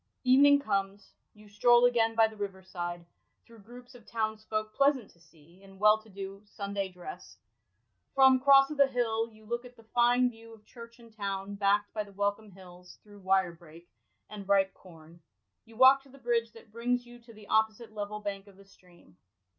^ Evening comes : you stroll again by the riverside, through gi'oups of townsfolk pleasant to see, in well to do Sunday dress. From Oross o' th' Hill you look at the fine view of church and town, backt by the Welcombe Hills; through Wier Brake ^ and ripe corn, you walk to the bridge that brings you to the opposite level bank of the stream.